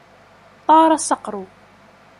طَارَ الصَّقْرُ.